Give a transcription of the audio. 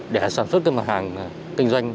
để sản xuất mặt hàng kinh doanh